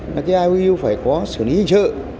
là cái iou phải có xử lý hình trợ